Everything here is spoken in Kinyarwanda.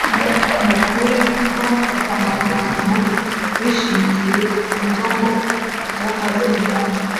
Mu kurema amagambo bishingiye ku ndomo z’amazina